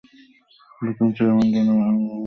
বর্তমান চেয়ারম্যান- জনাব আঃ রহিম মিয়া।